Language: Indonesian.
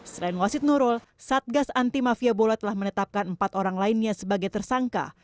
selain wasid nurul satgas anti mafia bola telah menetapkan empat orang lainnya sebagai tersangka